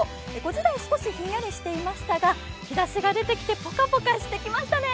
５時台、少しひんやりしてましたが、日ざしが出てきてぽかぽかしてきましたね。